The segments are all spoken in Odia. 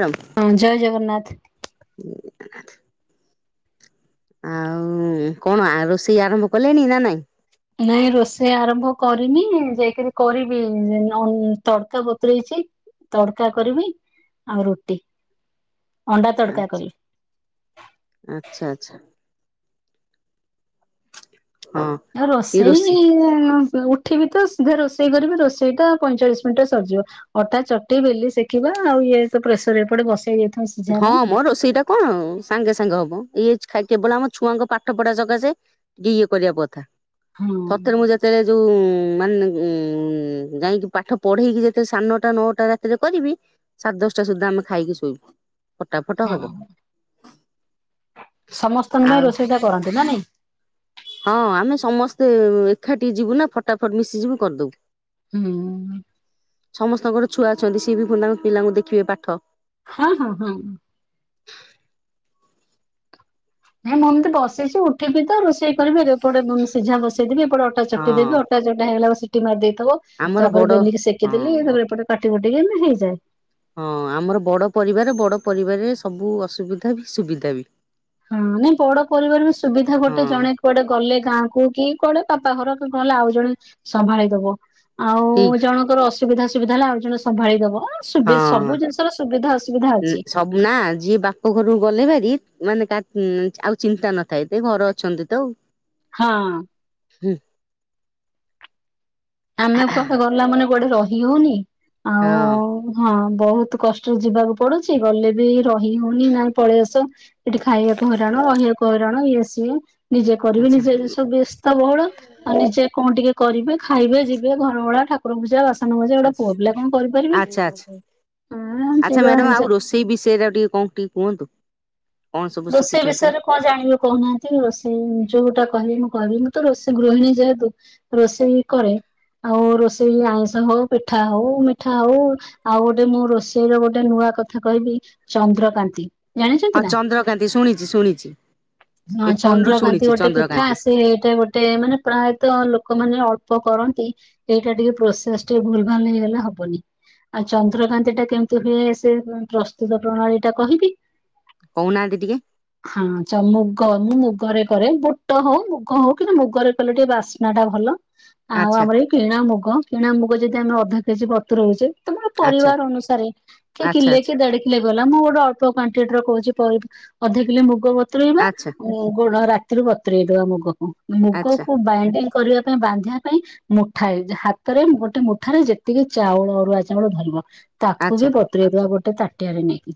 ଏମ୍ ହଁ ଜୟ ଜଗନ୍ନାଥ। [inaudible] ଆଉ କଣ ଆ ରୋଷେଇ ଆରମ୍ଭ କଲେଣି ନା ନାଇଁ? ନାଇଁ ରୋଷେଇ ଆରମ୍ଭ କରିନି ଯାଇକିରି କରିବି ଅ ତଡ଼କା ବତୁରେଇଚି। ତଡକା କରିବି ଆଉ ରୁଟି। ଅଣ୍ଡା ତଡକା କରିବି। ଆଛା ଆଚ୍ଛା ଆଚ୍ଛା। ହଁ। ଆଉ ରୋଷେଇ ଲୁ ଉଠିବିତ ସିଧା ରୋଷେଇ କରିବି ରୋଷେଇଟା ପଇଁଚାଳିଶି ମିନିଟ୍ରେ ସରିଯିବ। ଅଟା ଚଟେଇ ବେଲି ଶେଖିବା ଆଉ ଇଏ ତ ପ୍ରେସର ଏପଟେ ବସେଇ ଯେ ହଁ ମୋ ରୋଷେଇଟା କଣ ସାଙ୍ଗେ ସାଙ୍ଗେ ହବ ଇ କେବଳ ଆମ ଛୁଆଙ୍କ ପାଠ ପଢା ସକାଶେ ଏ ଇଏ କରିବା ପଥା ହଁ। ସତରେ ମୁଁ ଜା ତେଳେ ଯୋଉ ମାନେ ଉଁ ଯାଇକି ପାଠ ପଢେଇକି ଯେତେ ସାଢ଼େ ନଅଟା ନଅଟା ରାତିରେ କରିବି ସାଢ଼େ ଦଶଟା ସୁଦ୍ଧା ଆମେ ଖାଇକି ଶୋଇବୁ ଫଟା ଫଟ ହଁ ହବ। ସମସ୍ତଙ୍କ ପାଇଁ ଆଉ ରୋଷେଇଟା କରନ୍ତି ନାଁ ନାଇଁ? ହଁ ଆମେ ସମସ୍ତେ ଏଖାଠି ଯିବୁ ନା ଫଟାଫଟ୍ ମିଶିଯିବୁ କରିଦବୁ। ହୁଁ। ସମସ୍ତଙ୍କର ଛୁଆ ଅଛନ୍ତି ସିଏ ବି ଫୁଣି ତାଙ୍କ ପିଲାଙ୍କୁ ଦେଖିବେ ପାଠ। ହଁ ହଁ ହଁ। ହେଁ ମୁଁ ଏମିତି ବସିଚି ଉଠିବି ତ ରୋଷେଇ କରିବି ରେ ଏପଟେ ମୁ ସିଝା ବସେଇଦେବି ଏ ପଡ଼େ ଅଟା ଚକଟି ହଁ ଦେବି ଅଟା ଚକଟା ହେଇଗଲା ବ ସିଟି ମାରି ଦେଇଥବ ଆମର ବଡ ତାପରେ ବେଲିକି ସେକିଦେଲି ହଁ ତାପରେ ଏପଟେ କାଟି କୁଟିକି ଏମିତି ହେଇଯାଏ। ହଁ ଆମର ବଡ଼ ପରିବାର ବଡ଼ ପରିବାରରେ ସବୁ ଅସୁବିଧା ବି ସୁବିଧା ବି। ହଁ ନାଇଁ ବଡ ପରିବାର ସୁବିଧା ଗୋଟେ ହଁ ଜଣେ କୁଆଡେ ଗଲେ ଗାଁ କୁ କି କୁଆଡେ ବାପା ଘର କି କଣ ଆଉ ଜଣେ ସମ୍ଭାଳିଦବ। ଆଉ ଠିକ ଜଣଙ୍କର ଅସୁବିଧା ସୁୁବିଧା ହେଲା ଆଉ ଜଣେ ସମ୍ଭାଳିଦବ। ହଁ ସବୁ ଜିନିଷର ସୁବିଧା ଅସୁବିଧା ଅଛି। ସବୁ ନା ଯିଏ ବାପ ଘରୁ ଗଲେ ଭାରି ମାନେ ଆଉ ଚିନ୍ତା ନଥାଏ ତେ ଘର ଅଛନ୍ତି ତ ଉ। ହଁ। ଆମେ କୁଆଡେ ଗଲା ମାନେ କୁଆଡେ ରହି ହଉନି ଆଉ ହଁ ହଁ ବହୁତ୍ କଷ୍ ଯିବାକୁ ପଡୁଛି ଗଲେ ବି ରହି ହଉନି ନାଇଁ ପଳେଇ ଆସ। ଏଠି ଖାଇବାକୁ ହଇରାଣ ରହିବାକୁ ହଇରାଣ ଇଏ ସିଏ। ନିଜେ କରିବେ ଆଚ୍ଛା ନିଜେ ସବୁ ବ୍ୟସ୍ତ ବହୁଳ ଆଉ ନିଜେ କଣ ଟିକେ କରିବେ। ଖାଇବେ ଯିବେ ଘର ଓଳା ଠାକୁର ପୂଜା ବାସ୍ ସାନ ମଜା ଏଉଡା ଆଚ୍ଛା ପୁଅ ପିଲା କଁ କରିପାରିବେ ଆଚ୍ଛା ହୁଁ ସେଇ ଭଳିଆ ହାଲଚା ସେଇ ବିଷୟରେ ଆଉ ଟିକେ କଁ ଟିକେ କୁହନ୍ତୁ। କଣ ସବୁ ରୋଷେଇ ଶିଖିଛନ୍ତି ବିଷୟରେ କଣ ଜାଣିବେ କହୁନାହାନ୍ତି ରୋଷେଇ ଯୋଉଟା କହିବି ମୁଁ କହିବି ମୁଁ ତ ରୋଷେଇ ଗୃହିଣୀ ଯେହେତୁ ରୋଷେଇ କରେ ଆଉ ରୋଷେଇ ଆଇଁଷ ହଉ ପିଠା ହଉ ମିଠା ହଉ ଆଉ ଗୋଟେ ମୁଁ ରୋଷେଇର ଗୋଟେ ନୂଆ କଥା କହିବି ଚନ୍ଦ୍ରକାନ୍ତି। ଜାଣିଛନ୍ତି ହଁ ନା? ଚନ୍ଦ୍ରକାନ୍ତି ଶୁଣିଛି ଶୁଣିଛି। ହଁ ଏ ଫୋନ ରୁ ଚନ୍ଦ୍ରକାନ୍ତି ଶୁଣିଛି ଗୋଟେ ପିଠା ଚନ୍ଦ୍ରକାନ୍ତି ଆସେ ଟେ ଗୋଟେ ମାନେ ପ୍ରାୟତଃ ଲୋକମାନେ ଅଳ୍ପ କରନ୍ତି ଏଇଟା ଟିକେ ପ୍ରୋସେସ୍ ଟିକେ ଭୁଲ୍ ଭାଲ୍ ହେଇଗଲେ ହବନି। ଆଉ ଚନ୍ଦ୍ରକାନ୍ତି ଟା କେମିତି ହୁଏ ସେ ପ୍ରସ୍ତୁତ ପ୍ରଣାଳୀ ଟା କହିବି? କହୁନାହାନ୍ତି ଟିକେ। ହଁ ଚ ମୁଗ ମୁଁ ମୁଗରେ କରେ ବୁଟ ହଉ ମୁଗ ହଉ କିନ୍ତୁ ମୁଗରେ କଲେ ଟିକେ ବାସ ନାଟା ଭଲ ଆଉ ଆଚ୍ଛା ଆମର ଏଇ କିଣା ମୁଗ କିଣା ମୁଗ ଯଦି ଆମେ ଅଧ କେଜି ବତୁରଉଚେ ତମର ଆଚ୍ଛା ପରିବାର ଅନୁସାରେ କିଏ ଆଚ୍ଛା କିଲେ କିଏ ଦେଢ଼ କିଲେ ଗଲା ମୁଁ ଗୋଟେ ଅଳ୍ପ କୁଆଣ୍ଟି ଟି ର କହୁଚି [unintelligible] ଅଧ କିଲେ ମୁଗ ବତୁରେଇବା ଆଚ୍ଛା ଗୁଡ଼ ରାତିରୁ ବତୁରେଇଦେବା ମୁଗକୁ ଆଚ୍ଛା ଆଚ୍ଛା ମୁଗକୁ ବାଇଣ୍ଡିଙ୍ଗି କରିବା ପାଇଁ ବାନ୍ଧିବା ପାଇଁ ମୁଠାଏ ଯେ ହାତରେ ଗୋଟେ ମୁଠାରେ ଯେତିକି ଚାଉଳ ଅରୁଆ ଚାଉଳ ଧରିବ ତାକୁ ବି ଆଚ୍ଛା ବତୁରେଇଦେବା ଗୋଟେ ତାଟିଆରେ ନେଇକି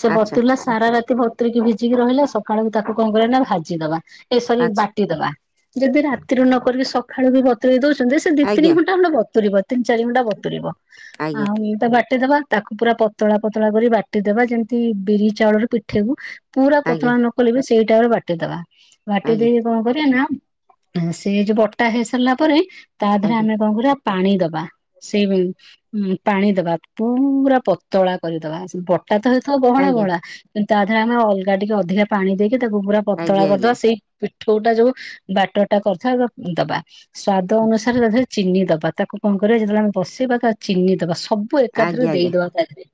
ସେ ଆଚ୍ଛା ବତୁରିଲା ସାରା ରାତି ବ ବତୁରିକି ଭିଜିକି ରହିଲା ସକାଳୁ ତାକୁ କଣ କରିବା ନା ଭାଜିଦବା ଏ ସରି ଆଚ୍ଛା ବା ଟି ଦବା ଯଦି ରାତିରୁ ନ କରିକି ସଖାଳୁ ବି ବତୁରେଇ ଦଉଚନ୍ତି ସେ ଦି ତିନି ଆଜ୍ଞା ଘଣ୍ଟା ଖଣ୍ଡେ ବତୁରୀ ବ ତିନି ଚାରି ଘଣ୍ଟା ବତୁରିବ ଆଜ୍ଞା ଆଉ ତା ବାଟିଦବା ତାକୁ ପୁରା ପତଳା ପତଳା କରି ବାଟିଦେବା ଯେମିତି ବିରି ଚାଉଳରୁ ପିଠେବୁ ପୁରା ଆଜ୍ଞା ପତଳା ନ କଲେ ବି ସେଇଟାରେ ବାଟିଦେବା ବାଟି ଆଜ୍ଞା ଦେଇ କଣ କରିବା ନା ସେ ଯୋଉ ବଟା ହେଇ ସାରିଲା ପରେ ତା ଦେହରେ ଆଜ୍ଞା ଆମେ କଣ କରିବା ପାଣି ଦବା ସେହୁଁ ପାଣି ଦବା ପୁରା ପତଳା କରିଦବା ତା ଥରେ ତ ବହଳା ଆଜ୍ଞା ବହଳା କିନ୍ତୁ ତା ଦେହରେ ଆମେ ଅଲଗା ଟିକେ ଅଧିକା ପାଣି ଦେଇକି ତାକୁ ପୁରା ପତଳା ଆଜ୍ଞା ଆଜ୍ଞା କରିଦବା ସେଇ ପିଠୋଉ ଟା ଯୋଉ ବାଟର ଟା କରିଥବା ଦବା। ସ୍ଵାଦ ଅନୁସାର ତଥାପି ଚିନି ଦବା ତାକୁ କଣ କରିବା ଯେତେବେଳେ ଆମେ ବସେଇବା ତା ଚିନି ଦବା ସବୁ ସଵୁ ଏକାଥରେ ଆଜ୍ଞା ଆଜ୍ଞା ଦେଇଦବା ତା ଦେହରେ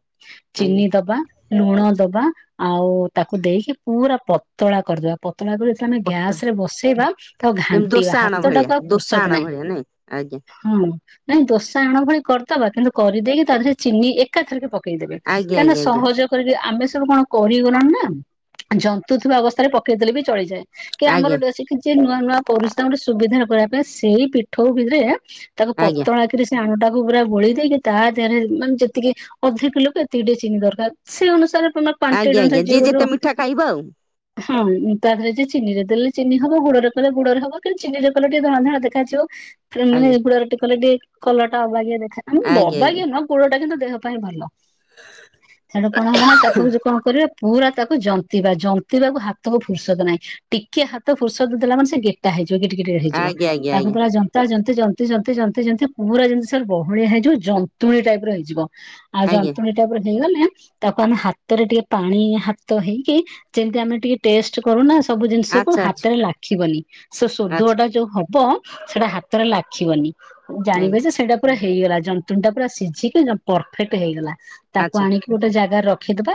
ଆଜ୍ଞା ଚିନି ଦବା ଲୁଣ ଦବା ଆଉ ତାକୁ ଦେଇକି ପୁରା ପତଳା କରିଦବା। ପତଳା କରି ତମେ ଗ୍ୟାସ ପତା ରେ ବସେଇବା ତ ଯେମିତି ଘାଣ୍ଟିବା। ଦୋସା ଆଣ ଭଳିଆ ହାତଟାକୁ ଆଉ ଦୋସା ଫୁରସଦ ଆଣ ନାହିଁ। ଭଳିଆ ନାଇଁ ଆଜ୍ଞା ହଁ ନାଇଁ ଦୋସା ଆଣ ଭଳି କରିଦବା କିନ୍ତୁ କରିଦେଇକି ତା ଦେହରେ ଚିନି ଏ ଏକାଥରକେ ପକେଇଦେବେ। ଆଜ୍ଞା କାହିଁକିନା ଆଜ୍ଞା ସହଜ କରିକି ଆମେ ସବୁ କଣ? କରିଗଲୁଣ ନା ଜନ୍ତୁ ଥିବା ଅବସ୍ଥାରେ ପକେଇଦେଲେ ବି ଚଳିଯାଏ। କି ଆମର ଆଜ୍ଞା ଆଜ୍ଞା ଡେସି ନୂଆ ନୂଆ ପରିଶ୍ରମ ରେ ସୁବିଧା କରିବାପାଇଁ ସେଇ ପିଠଉ ବିରିରେ ତାକୁ ଆଜ୍ଞା ପତଳା କି ସେଥିରେ ସେ ଆଣଟାକୁ ପୁରା ଗୋଳେଇ ଦେଇକି ତା ଦେହରେ ମାନେ ଯେତିକି ଅଧିକ କିଲୋକୁ ଏତିକି ଟିକେ ଚିନି ଦରକାର୍ ସେଇ ଅନୁସାରେ ତମେ ପାଣ୍ଟି ଆଜ୍ଞା ଆଜ୍ଞା ଯିଏ ଯେତେ [unintelligible] ମିଠା ଖାଇବ ଆଉ ହଁ ତା ଦେହରେ ଯେ ଚିନିରେ ଦେଲେ ଚିନି ହବ। ଗୁଡ଼ ରେ କଲେ ଗୁଡ଼ ରେ ହବ। କିନ୍ତୁ ଚିନିରେ କଲେ ଟିକେ ଧଳା ଦେଖାଯିବ। ଏ ମାନେ ଆଜ୍ଞା ଗୁଡ଼ ରେ ଟିକେ କଲେ ଟିକେ କଲର ଟା ଅବାଗିଆ ଦେଖା ନାଇଁ ଆଜ୍ଞା ଅବାଗିଆ ନୁହଁ ଗୁଡ଼ ଟା କିନ୍ତୁ ଦେହ ପାଇଁ ଭଲ। ହେଟୁ କଣ ହବ ନା ତାକୁ ଯୋଉ କଣ କରିବା ପୁରା ତାକୁ ଜନ୍ତିବା ଜନ୍ତିବାକୁ ହାତକୁ ଫୁର୍ସତ ନାହିଁ ଟିକେ ହାତ ଫୁର୍ସତ୍ ଦେଲା ମାନେ ସେ ଗେଟା ହେଇଯିବ। [unintelligible] ହେଇଯିବ। ଆଜ୍ଞା ଆଜ୍ଞା ଆଜ୍ଞା ତାକୁ ଆଜ୍ଞା ପୁରା ଜ ଯନ୍ତି ଯନ୍ତି ଯନ୍ତି ଯନ୍ତି ଯନ୍ତି ପୁରା ଯେମିତି ସିଏ ବହଳିଆ ହେଇଯିବ। ଯନ୍ତୁଣୀ ଟାଇପ୍ ର ହେଇଯିବ। ଆଉ ଆଜ୍ଞା ଯନ୍ତୁଣୀ ଟା ପୁରା ହେଇଗଲେ ତାକୁ ଆମେ ହା ତ ରେ ଟିକେ ପାଣି ହାତ ହେଇକି ଯେମିତି ଆମେ ଟିକେ ଟେଷ୍ଟ କରୁନା ସବୁ ଜିନିଷକୁ ଆଚ୍ଛା ହାତରେ ଲାଖିବନି। ସେ ସୋଦୁଅଟା ଆଚ୍ଛା ଯୋଉ ହବ ସେଟା ହାତରେ ଲାଖିବନି। ଜାଣିବେ ଯେ ସେଇଟା ପୁରା ହେଇଗଲା ଜନ୍ତୁଣୀ ଟା ପୁରା ସିଝିକି ପରଫେକ୍ଟ ହେଇଗଲା। ଆଚ୍ଛା ଆଜ୍ଞା, ତାକୁ ଆଚ୍ଛା ଆଣିକି ଗୋଟେ ଜାଗାରେ ରଖିଦବା।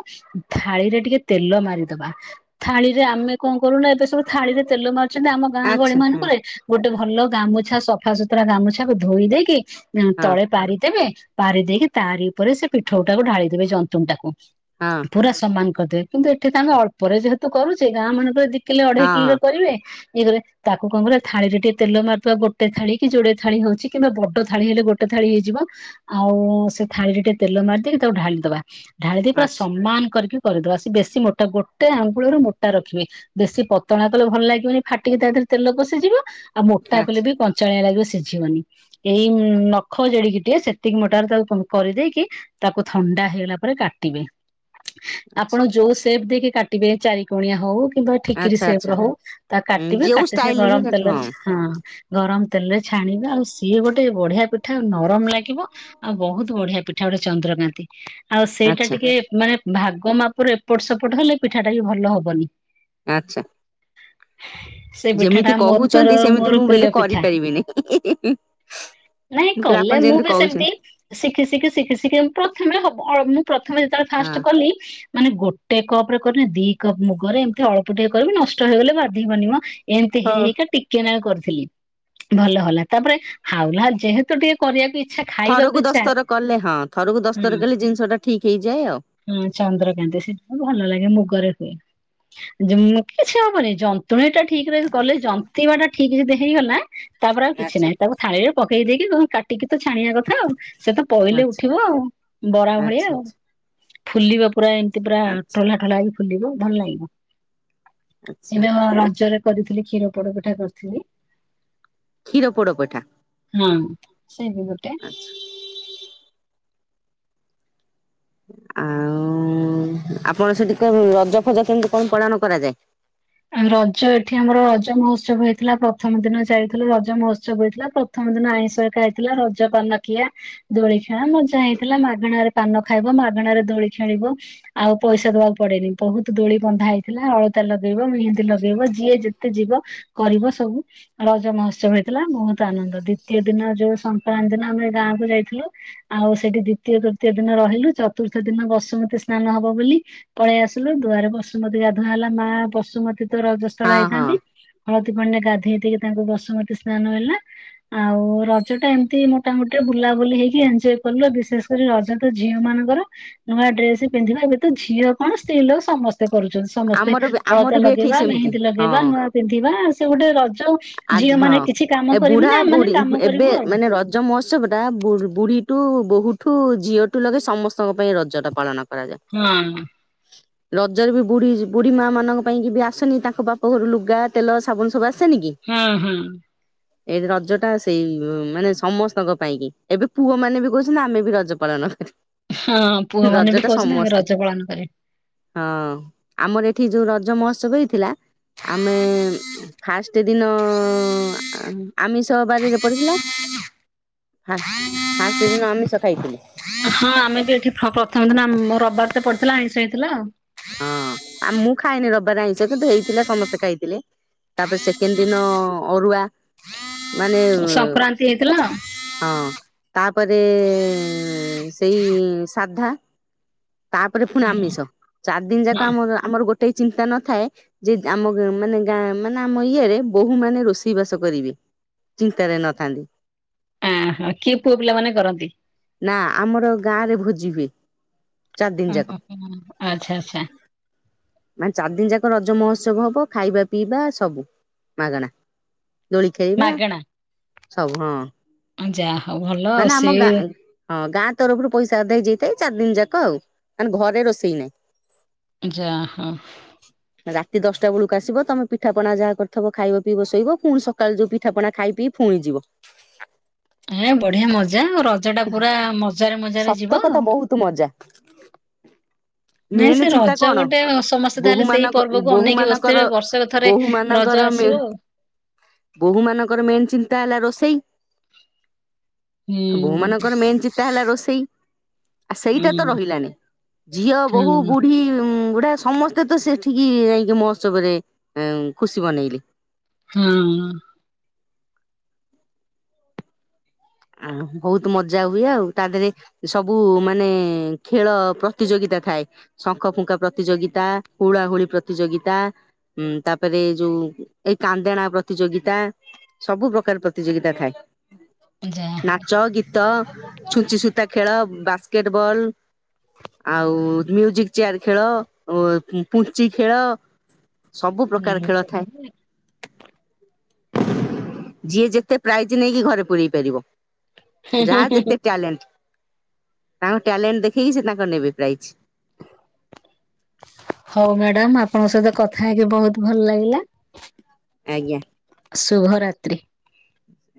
ଥାଳିରେ ଟିକେ ତେଲ ମାରିଦବା। ଥାଳିରେ ଆମେ କଁ କରୁନା ଏବେ ସବୁ ଥାଳିରେ ତେଲ ମାରୁ। ଛନ୍ତି ଆମ ଗାଁ ଗହଳି ଆଚ୍ଛା ହୁଁ ମାନଙ୍କ ରେ ଗୋଟେ ଭଲ ଗାମୁଛା ସଫା ସୁତୁରା ଗାମୁଛା କୁ ଧୋଇ ଦେଇକି। ଆଁ ହଁ ତଳେ ପାରିଦେବେ ପାରି ଦେଇକି ତାରି ଉପରେ ସେ ପିଠଉଟାକୁ ଢାଳିଦେବେ ଜନ୍ତୁଣି ଟାକୁ। ହଁ ପୁରା ସମାନ କରିଦେବେ କିନ୍ତୁ ଏଠି ତାଙ୍କେ ଅଳ୍ପରେ ଯେହେତୁ କରୁଛେ ଗାଁ ମାନଙ୍କରେ ଦି କିଲୋ ଅଢେଇ ହଁ କିଲି ରେ ହଁ କରିବେ ଇଏ ରେ। ତାକୁ କଁ କରିବା ଥାଳିରେ ଟିକେ ତେଲ ମାରିଦବା ଗୋଟେ ଥାଳି କି ଯୋଡ଼େ ଥାଳି ହଉଛି କିମ୍ବା ବଡ ଥାଳି ହେଲେ ଗୋଟେ ଥାଳି ହେଇଯିବ। ଆଉ ସେ ଥାଳିରେ ଟିକେ ତେଲ ମାରି ଦେଇକି ତାକୁ ଢାଳି ଦବା ଢାଳି ଦେଇ ପୁରା ଆଚ୍ଛା ସମାନ କରିକି। କରିଦବା ସେ ବେଶୀ ମୋଟା ଗୋଟେ ଆଙ୍ଗୁଳରୁ ମୋଟା ରଖିବେ। ବେଶୀ ପତଳା କଲେ ଭଲ ଲାଗିବନି ଫାଟିକି ତା ଦେହରେ ତେଲ ପଶିଯିବ ଆଉ ମୋଟା କଲେ ଆଚ୍ଛା ବି କ କାଞ୍ଚଳିଆ ଲାଗିବ ସିଝିବନି ଏଇ ନଖ ଜେଡିକି ଟିକେ ସେତିକି ମୋଟା ର ତାକୁ କରି ଦେଇକି। ତାକୁ ଥଣ୍ଡା ହେଇଗଲା ପରେ କାଟ୍ ଟିବେ ଆପଣ ଆଚ୍ଛା ଯୋଉ ସେପ ଦେଇକି କାଟିବେ ଚାରି କଣିଆ ହଉ। କିମ୍ବା ଠିକିରି ଆଚ୍ଛା ସେପ୍ ର ଆଚ୍ଛା ହଉ ତାକୁ କାଟିବେ ଯୋଉ କାଟି କି ସେ ଷ୍ଟାଇଲରେ ଗରମ କାଟିବ ତେଲରେ ଛା ହଁ। ଗରମ ତେଲରେ ଛାଣିବେ ଆଉ ସିଏ ଗୋଟେ ବଢିଆ ପିଠା ଆଉ ନରମ ଲାଗିବ। ଆଉ ବହୁତ ବଢିଆ ପିଠା ଗୋଟେ ଚନ୍ଦ୍ରକାନ୍ତି। ଆଉ ସେଇଟା ଆଚ୍ଛା ଟିକେ ମାନେ ଭାଗ ମାପରେ ଏପଟ ସେପଟ ହେଲେ ପିଠା ଟା ବି ଭଲ ହବନି। ଆଚ୍ଛା। ସେ ପିଠା ଟା ଯେମିତି ମୋତର କହୁଛନ୍ତି ସେମିତି ମୋର ମୁଁ ପ୍ରିୟ ବୋଧେ କରି ପିଠା। ପାରିବିନି ହିଁ ହିଁ ହିଁ ହିଁ। ନାଇଁ କଲେ ମୁଁ ବି ସେମିତି। ଶିଖି ଶିଖି ଶିଖି ଶିଖି ପ୍ରଥମେ ହବ ଅଳ ମୁଁ ପ୍ରଥମେ ଯେତେବେଳେ ଫାଷ୍ଟ ହଁ। କଲି। ମାନେ ଗୋଟେ କପ ରେ କଲେ ଦି କପ୍ ମୁଗରେ ଏମିତି ଅଳ୍ପ ଟିକେ କରିବି ନଷ୍ଟ ହେଇଗଲେ ବାଧି ବନିି ମ। ଏମିତି ହେଇ ହଁ। ହେଇକା ଟିକେ ନାକୁ କରିଥିଲି ଭଲ ହେଲା ତାପରେ ହାଉଲେ ହାଉଲେ ଯେହେତୁ ଟିକେ‌। କରିବାକୁ ଇଚ୍ଛା ଖା। ଥରକୁ ଦଶ ଥର କଲେ ହଁ ଥରକୁ ଦସ ହୁଁ ଥର କଲେ ଜିନିଷ ଟା ଠିକ୍ ହେଇ ଯାଏ ଆଉ। ହୁଁ ଚନ୍ଦ୍ର କାନ୍ତି ସେଟା ଭଲ ଲାଗେ ମୁଗରେ ହୁଏ ଯେ ମୁଁ କିଛି ହବନି ଯ ନ୍ତୁଣି ଟା ଠିକ୍ ରଖି କଲେ ଜନ୍ତିବା ଟା ଠିକ ଯଦି ହେଇଗଲା ତାପରେ ଆଉ କିଛି ଆଚ୍ଛା ନାହିଁ ତା। ଥାଳିରେ ପକେଇ ଦେଇକି ତମେ କା ଟି କି ତ ଛାଣିବା କଥା ଆଉ ସେ ତ ପଇଲେ ଆଚ୍ଛା ଉଠିବ ଆଉ ବରା ଆଚ୍ଛା ଭଳିଆ ଆଚ୍ଛା ଆଉ। ଫୁଲିବ ପୁରା ଏମିତି ପୁରା ଆଚ୍ଛା ଠୋଲା ଠୋଲା ହେଇିକି ଫୁଲିବ ଭଲ ଲାଗିବ। ଆଚ୍ଛା। ଏବେ ମୁଁ ରଜରେ କରିଥିଲି କ୍ଷୀର ପୋଡ ପିଠା କରିଥିଲି। କ୍ଷୀର ପୋଡ ପିଠା। ହଁ ସେ ବି ଗୋଟେ। ଆଛା ଆଉ ଆପଣ ସେଠି କମ୍ ରଜ ଫଜ କେମିତି କଣ ପାଳନ କରାଯାଏ। ରଜ ଏଠି ଆମର ରଜ ମହୋତ୍ସବ ହେଇଥିଲା ପ୍ରଥମ ଦିନ ଯାଇଥିଲୁ ରଜ ମହୋତ୍ସବ ହେଇଥିଲା। ପ୍ରଥମ ଦିନ ଆଇଁଷ ହେକା ହେଇଥିଲା ରଜ ପାନ ଖିଆ। ଦୋଳି ଖେଳ ମଜା ହେଇଥିଲା ମାଗଣା ରେ ପାନ ଖାଇବ ମାଗଣା ରେ ଦୋଳି ଖେଳିବ। ଆଉ ପଇସା ଦବାକୁ ପଡେନି ବହୁତ ଦୋଳି ବନ୍ଧା ହେଇଥିଲା ଅଳତା ଲଗ ଲଗେଇବ ମେହନ୍ଦୀ ଲଗେଇବ ଯିଏ ଯେତେ ଯିବ କରିବ ସବୁ। ରଜ ମହୋତ୍ସବ ହେଇଥିଲା ବହୁତ ଆନନ୍ଦ ଦ୍ଵିତୀୟ ଦିନ ଯୋଉ ସଂକ୍ରାନ୍ତି ଦିନ ଆମେ ଗାଁକୁୁ ଯାଇଥିଲୁ। ଆଉ ସେଠି ଦ୍ଵିତୀୟ ତୃତୀୟ ଦିନ ରହିଲୁ ଚତୁର୍ଥ ଦିନ ବସୁମତୀ ସ୍ନାନ ହବ ବୋଲି। ପଳେଇ ଆସିଲୁ ଦୁଆରେ ବସୁମତୀ ଗାଧୁଆ ହେଲା ମା ବସୁମତୀ ତ ରଜସ୍ଥଳା ହଁ ହଁ ହେଇଥାନ୍ତି। ହଳଦୀ ପାଣିରେ ଗାଧେଇ ଦେଇକି ତାଙ୍କୁ ବସୁମତୀ ସ୍ନାନ ହେଲା। ଆଉ ରଜ ଟା ଏମିତି ମୋଟାମୋଟିରେ ବୁଲାବୁଲି ହେଇକି ଏଞୟକଲୁ। ବିଶେଷ ରଜତ ଝିଅ ମାନଙ୍କର ନୂଆ ଡ୍ରେସ ପିନ୍ଧିବା ଏବେ ତ ଝିଅ କଣ ସ୍ତ୍ରୀ ଲୋକ ସମସ୍ତେ କରୁଛନ୍ତି। ସମସ୍ତେ ଆମର ବି ଆମର ତା ବି ଏଠି ଲଗେଇବା ସେମିତି ମେହେନ୍ଦୀ ହଁ। ଲଗେଇବା ନୂଆ ପିନ୍ଧିବା ସେ ଗୋଟେ ରଜ ଆଜି ଝିଅ ହଁ ମାନେ କିଛି କାମ ଏ କରିବୁ ବୁଢା ନା ଆମ ମାନେ ବୁଢୀ କାମ ଏବେ କରିବୁ ଆଉ। ମାନେ ରଜ ମହୋତ୍ସବ ଟା ବୁଢ଼ୀଠୁ ବୋହୂଠୁ ଝିଅଠୁ ଲଗେ ସମସ୍ତଙ୍କ ପାଇଁ ରଜଟା ପାଳନ କରାଯାଏ। [unintelligible] ରଜାରେ ବି ବୁଢିି ବୁଢ଼ୀ ମାଆ ମାନଙ୍କ ପାଇଁ କି ବି ଆସେନି ତାଙ୍କ ବାପ ଘରୁ ଲୁଗା ତେଲ ସାବୁନ ସବୁ ଆସେନି କି? ହଁ ହଁ। ହ ଏଇ ରଜ ଟା ସେଇ ମାନେ ସମସ୍ତଙ୍କ ପାଇଁ କି ଏବେ ପୁଅ ମାନେ ବି କହୁଛନ୍ତି ଆମେ ବି ରଜ ପାଳନ ହଁ ପୁଅ ରଜ ମାନେ ବି ଟା କହୁଛନ୍ତି ଆମେ ସମସ୍ତେ ରଜ ପାଳନକରିବୁ। ହଁ ଆମର ଏଠି ଯୋଉ ରଜ ମହୋତ୍ସବ ହେଇ ଥିଲା। ଆମେ ଫାଷ୍ଟ ଦିନ ଆମିଷ ବାରିରେ ପଡିଥିଲା। ହା ଫାଷ୍ଟ ଦିନ ଆମିଷ ଖାଇଥିଲି। ହଁ ଆମେ ବି ଏଠି ପ୍ରଥମେ ଦିନ ମୋ ରବିବାର ତ ପଡିଥିଲା ଆଇଁଷ ହେଇଥିଲା ଆଉ। ହଁ ଆ ମୁଁ ଖାଇଏନି ରବିବାର ଆଇଁସ କିନ୍ତୁ ହେଇଥିଲା ସମସ୍ତେ ଖାଇଥିଲେ। ତାପରେ ସେକେଣ୍ଡ ଦିନ ଅରୁଆ। ମାନେ ସଂକ୍ରାନ୍ତି ହେଇଥିଲା। ହଁ ତାପରେ ସେଇ ସାଧା। ତାପରେ ପୁଣି ଆମିଷ ଚାରି ଦିନ ଯାକ ଆମ ଆମର ଗୋଟେ ଚିନ୍ତା ନଥାଏ। ଯେ ଆମ ମାନେ ଗାଁ ମାନେ ଆମ ଇୟରେ ବୋହୁ ମାନେ ରୋଷେଇ ବାସ କରିବେ। ଚିନ୍ତାରେ ନଥାନ୍ତି। ଅହୋ କିଏ ପୁଅ ପିଲାମାନେ କରନ୍ତି। ନା ଆମର ଗାଁ ରେ ଭୋଜିିହୁଏ। ଓହୋ ଆଚ୍ଛା ଆଚ୍ଛା। ମାନେ ଚାରି ଦିନ ଯାକ ରଜ ମହୋତ୍ସବ ହବ ଖାଇବା ପିଇବା ସବୁ ମାଗଣା। ଦୋଳି ଖେଳବା ସବୁ ହଁ। ଆଜ୍ଞା। ମାନେ ଆମ ଗାଁ ହଁ ଗାଁ ତରଫରୁ ପଇସା ଆଦାୟ ହେଇଥାଏ ଚାରି ଦିନ ଯାକ ଆଉ ମାନେ ଘରେ ରୋଷେଇ ନାହିଁ। ଯାହଉ [inaudible] ରାତି ଦଶଟା ବେଳକୁ ଆସିବ ତମେ ପିଠାପଣା ଯାହା କରିଥବ ଖାଇବ ପିଇ ବ ଶୋଇବ ପୁଣି ସକାଳୁ ଯୋଉ ପିଠାପଣା ଖାଇ ପି କି। ଫୁଣିଯିବ। ଏ ବଢିଆ ମଜା ଆଉ ରଜ ରଜଟା ପୁରା ମଜାରେ ମଜାରେ ସତ ଯିବ କଥା ଆଉ ବହୁତ ମଜା [inaudible] ନାଇଁ ସେ ଚିନ୍ତା ରଜ କଣ ଗୋଟେ ସମସ୍ତେ ବୋହୂ ତାହେଲେ ସେଇ ମାନଙ୍କ ପର୍ବକୁ ବୋହୂ ଅନେଇକି ମାନଙ୍କର ବସିଥିବେ ବର୍ଷକ ଥରେ ବୋହୂ ରଜ ଆସିବ। ହଁ ବୋହୂମାନଙ୍କର ମେନ୍ ଚିନ୍ତା ହେଲା ରୋଷେଇ ହୁଁ ବୋହୂମାନଙ୍କର ମେନ୍ ଚିନ୍ତା ହେଲା ରୋଷେଇ ଆ ହୁଁ ସେଇଟା ତ ରହିଲାନି ଝିଅ ବୋହୂ ହୁଁ ବୁଢୀ ବୁଢା ସମସ୍ତେ ମତେ ତ ସେଠିକି ଯାଇକି ମହୋତ୍ସବରେ ଖୁସି ବନେଇଲି। ହଁ। ଆ ବହୁତ୍ ମଜା ହୁଏ ଆଉ ତା ଧେରେ ସବୁ ମାନେ ଖେଳ ପ୍ରତିଯୋଗିତା ଥାଏ। ଶଙ୍ଖ ଫୁଙ୍କା ପ୍ରତିଯୋଗିତା ହୁଳାହୁୁଳି ପ୍ରତିଯୋଗିତା। ହୁଁ ତାପରେ ଏଇ ଯୋଉ ଏଇ କାନ୍ଦେଣା ପ୍ରତିଯୋଗିତା ସବୁ ପ୍ରକାର ପ୍ରତିଯୋଗିତା ଥାଏ। ଯାହା ହଉ। ନାଚ ଗୀତ ଛୁଞ୍ଚି ସୂତା ଖେଳ ବାସ୍କେଟ ବଲ୍। ଆଉ ମ୍ୟୁଜିକ୍ ଚେୟାର ଖେଳ ଅ ପୁ ପୁଚି ଖେଳ। ସବୁ ପ୍ରକାର ହୁଁ ଖେଳ ଥାଏ। ଯିଏ ଯେତେ ପ୍ରାଇଜ୍ ନେଇକି ଘରେ ପୁରେଇ ପାରିବ। ହୁଁ ଯାହାର ହୁଁ ଯେତେ ଟ୍ୟାଲେଣ୍ଟ ତାଙ୍କ ଟ୍ୟାଲେଣ୍ଟ ଦେଖେଇ ସିଏ ତାଙ୍କର ନେବେ ପ୍ରାଇଜ। ଆ ହଉ ମ୍ୟାଡ଼ାମ୍ ଆପଣଙ୍କ ସହିତ କଥା ହେଇକି ବହୁତ ଭଲ ଲାଗିଲା। ଆଜ୍ଞା। ଶୁଭମ ରାତ୍ରି।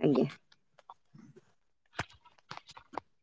ଆଜ୍ଞା। [inaudible]